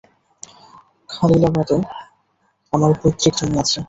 খালিলাবাদে আমার পৈত্রিক জমি আছে।